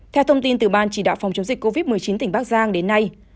theo thông tin từ ban chỉ đạo phòng chống dịch covid một mươi chín tỉnh bắc giang đến nay